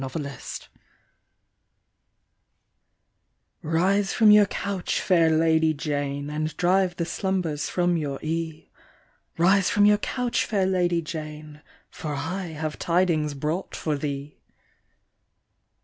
XVlSE from your couch, fair Lady Jane, And drive the slumbers from your ee', Rise from your couch, fair Lady Jane, For I have tidings brought for thee.''